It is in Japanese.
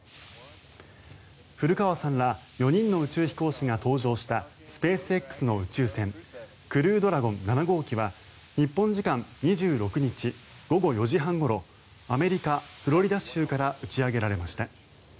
古川さんら４人の宇宙飛行士が搭乗したスペースＸの宇宙船クルードラゴン７号機は日本時間２６日午後４時半ごろアメリカ・フロリダ州から打ち上げられました。